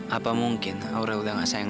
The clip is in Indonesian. tapi aku sadar sekarang